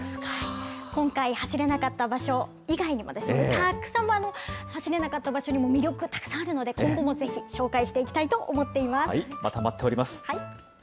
今回走れなかった場所以外にも、たくさん走れなかった場所にも魅力、たくさんあるので、今後もぜひ紹介していきたいと思っていままた待っております。